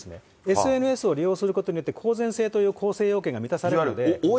ＳＮＳを利用することによって、公然性という構成要件が満たされるんで。